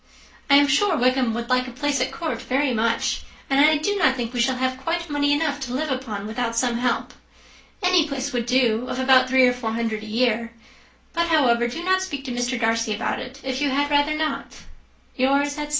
I am sure Wickham would like a place at court very much; and I do not think we shall have quite money enough to live upon without some help. Any place would do of about three or four hundred a year; but, however, do not speak to Mr. Darcy about it, if you had rather not. "Yours," etc.